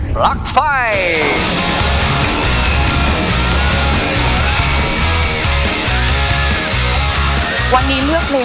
จ้าวรอคอย